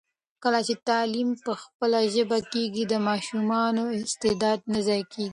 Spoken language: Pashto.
کله چي تعلیم په خپله ژبه کېږي، د ماشومانو استعداد نه ضایع کېږي.